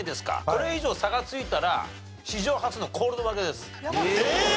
これ以上差がついたら史上初のコールド負けです。